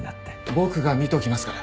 僕が見ておきますから。